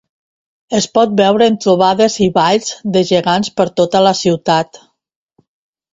Es pot veure en trobades i balls de gegants per tota la ciutat.